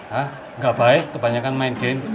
hah gak baik kebanyakan main game